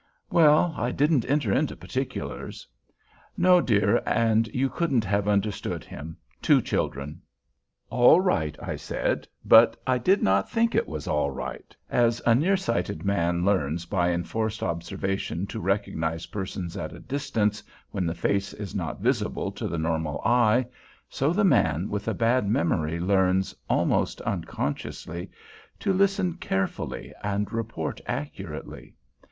"Well, I didn't enter into particulars." "No, dear, and you couldn't have understood him. Two children." "All right," I said; but I did not think it was all right. As a nearsighted man learns by enforced observation to recognize persons at a distance when the face is not visible to the normal eye, so the man with a bad memory learns, almost unconsciously, to listen carefully and report accurately.